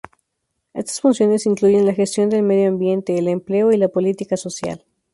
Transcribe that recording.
Estas funciones incluyen la gestión del medio ambiente, el empleo y la política social.